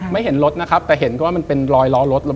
เห็นรถนะครับแต่เห็นก็ว่ามันเป็นรอยล้อรถเลย